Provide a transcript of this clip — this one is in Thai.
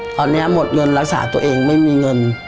ตอนนี้หมดเงินรักษาตัวเองไม่มีเงิน